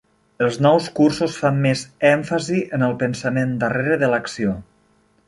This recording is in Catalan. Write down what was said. Els nous cursos fan més èmfasi en el "pensament darrere de l'acció".